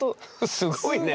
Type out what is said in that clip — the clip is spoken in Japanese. すごいね。